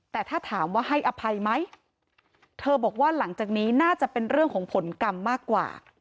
แต่ถ้าถามว่าให้อภัยไหมเธอบอกว่าหลังจากนี้น่าจะเป็นเรื่องของผลกรรมมากกว่า